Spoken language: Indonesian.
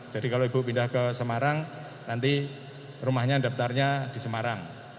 jadi kalau ibu pindah ke semarang nanti rumahnya daftarnya di semarang